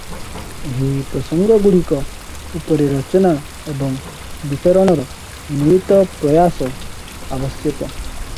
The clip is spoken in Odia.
ଏହି ପ୍ରସଙ୍ଗଗୁଡ଼ିକ ଉପରେ ରଚନା ଏବଂ ବିତରଣର ମିଳିତ ପ୍ରୟାସ ଆବଶ୍ୟକ ।